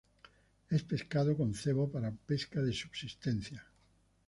Es pescado con cebo para para pesca de subsistencia.